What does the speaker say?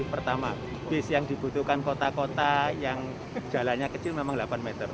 pertama bis yang dibutuhkan kota kota yang jalannya kecil memang delapan meter